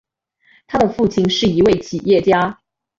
他的父亲是一位企业家。